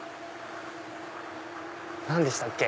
何でしたっけ？